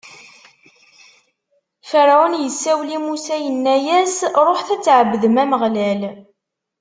Ferɛun isawel i Musa, inna-as: Ṛuḥet Ad tɛebdem Ameɣlal.